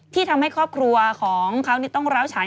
ที่ทำให้ครอบครัวของเขานี่ต้องเล้าฉัน